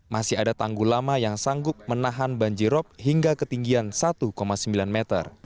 masih ada tanggul lama yang sanggup menahan banjirop hingga ketinggian satu sembilan meter